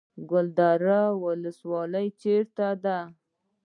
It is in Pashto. کلدار ولسوالۍ چیرته ده؟